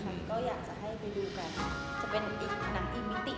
จะเป็นหนังอินมิติ